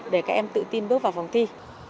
để các em tự tin bước vào vòng thi